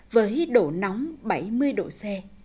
với độ nóng bảy mươi độ c